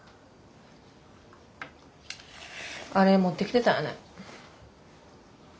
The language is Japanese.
あれ持ってきてたんやね。